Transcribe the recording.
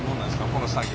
この作業。